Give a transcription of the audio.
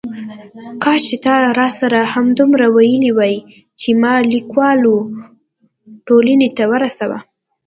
کاش چې تا راسره همدومره ویلي وای چې ما لیکوالو ټولنې ته ورسوه.